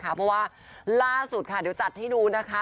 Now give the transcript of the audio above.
เพราะว่าล่าสุดค่ะเดี๋ยวจัดให้ดูนะคะ